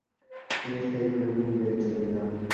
তিনি স্থায়ীভাবে মুঙ্গেরে চলে যান।